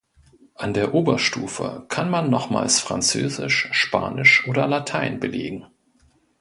Ab der Oberstufe kann man nochmals Französisch, Spanisch oder Latein belegen.